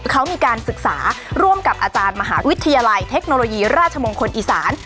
เขามีการศึกษาร่วมกับอาจารย์มหาวิทยาลัยเทคโนโลยีราชมงคลอีสาน